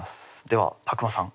では宅間さん